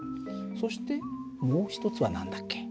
そしてもう一つは何だっけ？